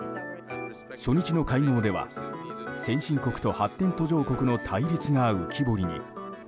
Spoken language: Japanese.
初日の会合では先進国と発展途上国の対立が浮き彫りに。